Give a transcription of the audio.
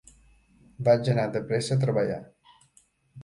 Vaig anar de presa a treballar.